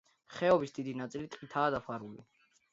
ხეობის დიდი ნაწილი ტყითაა დაფარული.